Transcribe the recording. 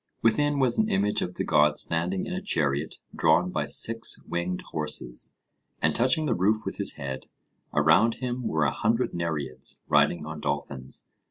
Within was an image of the god standing in a chariot drawn by six winged horses, and touching the roof with his head; around him were a hundred Nereids, riding on dolphins.